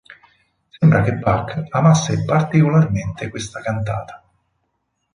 Sembra che Bach amasse particolarmente questa cantata.